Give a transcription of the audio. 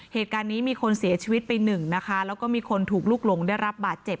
เหตุการณ์นี้มีคนเสียชีวิตไปหนึ่งนะคะแล้วก็มีคนถูกลุกหลงได้รับบาดเจ็บ